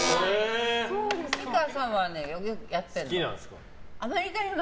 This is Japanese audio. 美川さんはやってるの。